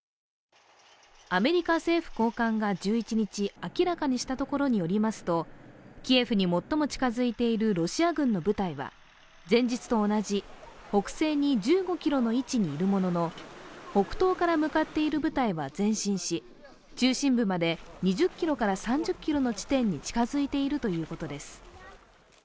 アメリカ政府高官が１１日、明らかにしたところによりますとキエフに最も近づいているロシア軍の部隊は前日と同じ北西に１５ｋｍの位置にいるものの、北東から向かっている部隊は前進し中心部まで２０ｋｍから３０ｋｍの地点に近づいているということです。